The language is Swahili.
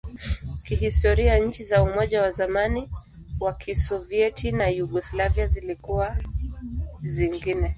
Kihistoria, nchi za Umoja wa zamani wa Kisovyeti na Yugoslavia zilikuwa zingine.